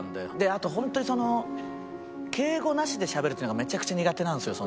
あと本当に敬語なしでしゃべるっていうのがめちゃくちゃ苦手なんですよ